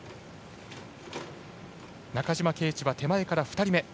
中島啓智、手前から２人目。